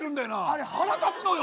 あれ腹立つのよ。